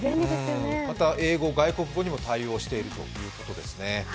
また、英語、外国語にも対応しているということですね。